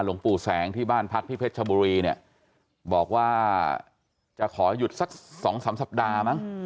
หลวงปู่แสงที่บ้านพักที่เพชรชบุรีเนี่ยบอกว่าจะขอหยุดสัก๒๓สัปดาห์มั้ง